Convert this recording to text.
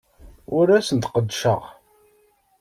Ur asen-d-qeddceɣ.